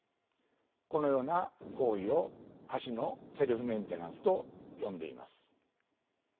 このような行為を橋のセルフメンテナンスと呼んでいます。